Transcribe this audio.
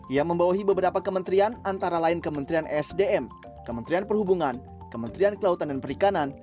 ia membawahi beberapa kementerian antara lain kementerian esdm kementerian perhubungan kementerian kelautan dan perikanan